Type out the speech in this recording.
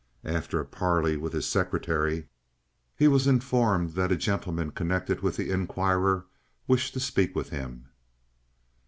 After a parley with his secretary, he was informed that a gentleman connected with the Inquirer wished to speak with him.